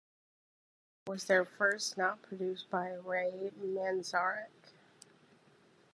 This album was their first not produced by Ray Manzarek.